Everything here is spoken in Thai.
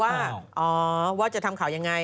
แปลว่าอ๋อว่าจะทำข่ายังไง